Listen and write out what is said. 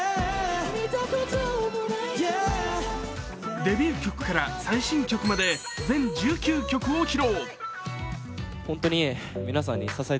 デビュー曲から最新曲まで全１９曲を披露。